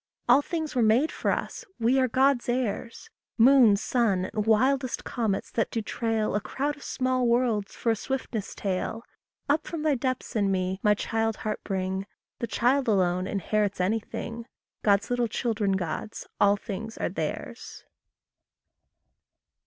All things were made for us we are God's heirs Moon, sun, and wildest comets that do trail A crowd of small worlds for a swiftness tail! Up from Thy depths in me, my child heart bring The child alone inherits anything: God's little children gods all things are theirs!